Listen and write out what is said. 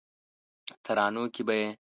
ترانو کې به یې